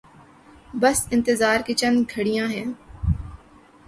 بس انتظار کی چند گھڑیاں ہیں۔